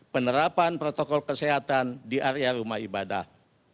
penerapan protokol kesehatan di area rumah ibadah